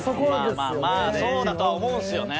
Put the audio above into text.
まあまあまあそうだとは思うんすよね。